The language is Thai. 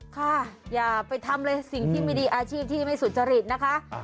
ค่ะอย่าไปทำเลยสิ่งที่ไม่ดีอาชีพที่ไม่สุจริตนะคะ